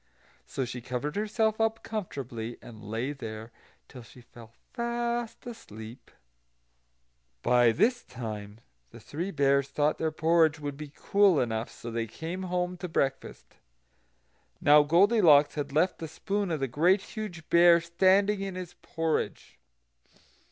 So she covered herself up comfortably, and lay there till she fell fast asleep. By this time the Three Bears thought their porridge would be cool enough; so they came home to breakfast. Now Goldilocks had left the spoon of the Great Huge Bear standing in his porridge.